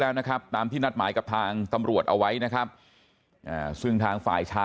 แล้วนะครับตามที่นัดหมายกับทางตำรวจเอาไว้นะครับซึ่งทางฝ่ายชาย